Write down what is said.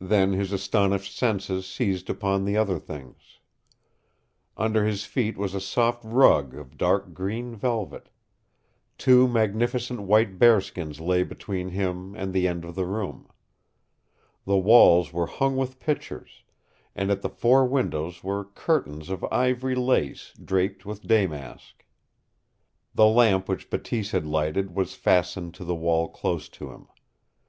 Then his astonished senses seized upon the other things. Under his feet was a soft rug of dark green velvet. Two magnificent white bearskins lay between him and the end of the room. The walls were hung with pictures, and at the four windows were curtains of ivory lace draped with damask. The lamp which Bateese had lighted was fastened to the wall close to him.